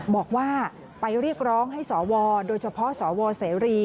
บอกว่าไปเรียกร้องให้สวโดยเฉพาะสวเสรี